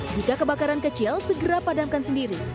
jika kebakaran kecil segera padamkan sendiri